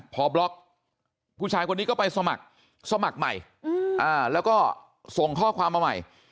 พอบล็อกผู้ชายคนนี้ก็ไปสมัครสมัครใหม่แล้วก็ส่งข้อความมาใหม่